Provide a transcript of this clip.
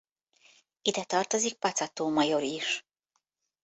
Ide tartozik Paczató-major is.